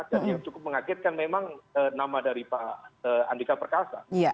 dan yang cukup mengagetkan memang nama dari pak andika perkasa